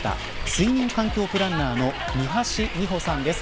睡眠環境プランナーの三橋美穂さんです。